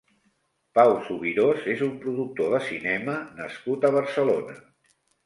Pau Subirós és un productor de cinema nascut a Barcelona.